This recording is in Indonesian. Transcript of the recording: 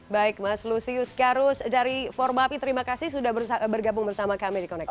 baik mas lusius karus dari formapi terima kasih sudah bergabung bersama kami di connecte